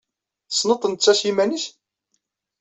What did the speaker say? Tessneḍ-t netta s yiman-is?